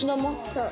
そう。